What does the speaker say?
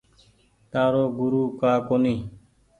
تآرو گورو ڪآ ڪونيٚ ڇي۔